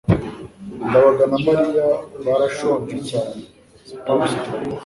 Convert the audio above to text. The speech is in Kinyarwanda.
ndabaga na mariya barashonje cyane. (spamster